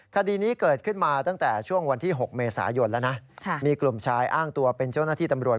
คดีนี้เกิดขึ้นมาตั้งแต่ช่วงวันที่๖เมษายนแล้วนะมีกลุ่มชายอ้างตัวเป็นเจ้าหน้าที่ตำรวจ